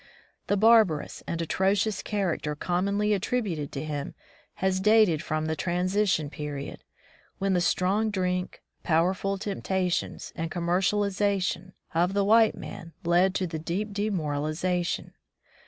The bar barous and atrocious character commonly attributed to him has dated from the transi tion period, when the strong drink, powerful temptations, and commercialism of the white man led to deep demoralization.